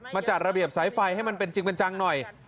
จัดระเบียบสายไฟให้มันเป็นจริงเป็นจังหน่อย